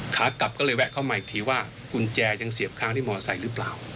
ขากลับก็เลยแวะเข้ามาอีกทีว่ากุญแจยังเสียบค้างที่มอเตอร์ไซค์หรือเปล่า